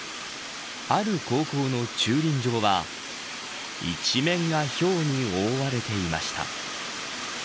ある高校の駐輪場は一面がひょうに覆われていました。